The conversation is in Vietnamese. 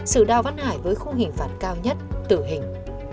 sự đào văn hải với khu hình phản cao nhất tử hình